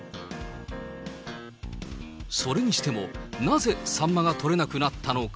それにしても、なぜサンマが取れなくなったのか。